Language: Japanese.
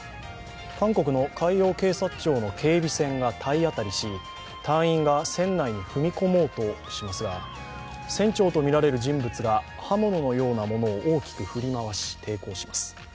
韓国の海洋警察庁の警備船が体当たりし隊員が船内に踏み込もうとしますが船長とみられる人物が刃物のようなものを大きく振り回し抵抗します。